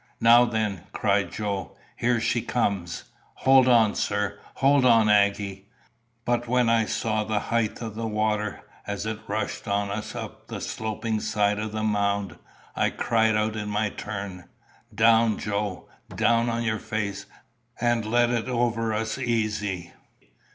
"Now then!" cried Joe. "Here she comes! Hold on, sir. Hold on, Aggy!" But when I saw the height of the water, as it rushed on us up the sloping side of the mound, I cried out in my turn, "Down, Joe! Down on your face, and let it over us easy!